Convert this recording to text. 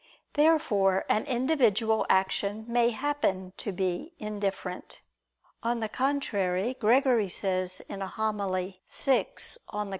Therefore an individual action may happen to be indifferent. On the contrary, Gregory says in a homily (vi in Evang.)